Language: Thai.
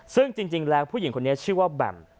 ซึ่งจริงแล้วผู้หญิงคนนี้ชื่อว่าแหม่ม